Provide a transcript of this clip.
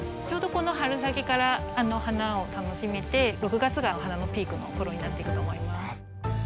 ちょうどこの春先から花を楽しめて６月がお花のピークの頃になっていくと思います。